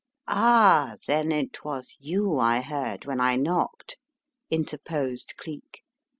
"Ah, then it was you I heard, when I knocked ?" interposed Cleek.